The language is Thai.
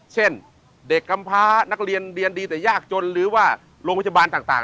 เช่นเด็กกำพานักเรียนเรียนดีแต่ยากจนหรือว่าโรงพยาบาลต่าง